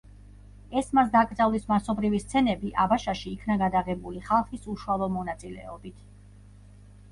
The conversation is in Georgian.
ესმას დაკრძალვის მასობრივი სცენები აბაშაში იქნა გადაღებული ხალხის უშუალო მონაწილეობით.